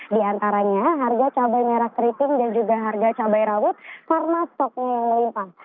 di antaranya harga cabai merah keriting dan juga harga cabai rawit karena stoknya yang melimpah